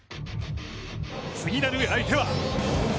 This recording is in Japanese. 次なる相手は。